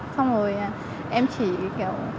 xong rồi em chỉ kiểu